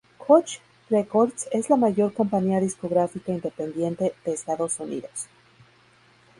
Koch Records es la mayor compañía discográfica independiente de Estados Unidos.